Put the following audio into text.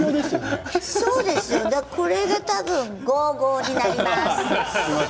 これが多分５、５になります。